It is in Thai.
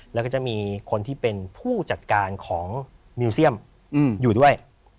แล้วก็จะมีคนที่เป็นผู้จัดการของมิวเซียมอยู่ด้วย